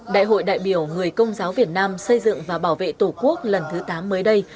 đại hội đại biểu người công giáo việt nam xây dựng và bảo vệ tổ quốc lần thứ tám mới đây